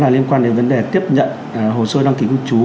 liên quan đến vấn đề tiếp nhận hồ sơ đăng ký lưu trú